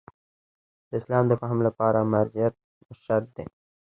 د اسلام د فهم لپاره مرجعیت شرط دی.